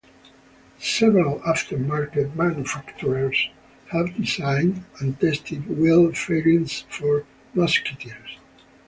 Several aftermarket manufacturers have designed and tested wheel fairings for Musketeers.